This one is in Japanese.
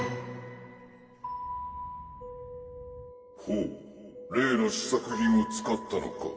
「ほう例の試作品を使ったのか」